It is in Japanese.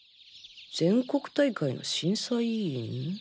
全国大会の審査委員？